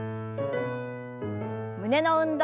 胸の運動。